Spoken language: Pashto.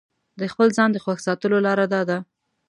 د خپل ځان د خوښ ساتلو لاره داده.